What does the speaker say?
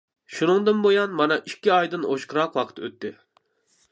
شۇنىڭدىن بۇيان مانا ئىككى ئايدىن ئوشۇقراق ۋاقىت ئۆتتى.